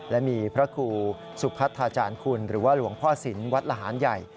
และมีพระครูสุพัทธาจารย์คุณหรือว่าหลวงพ่อศิลป์วัดละหารใหญ่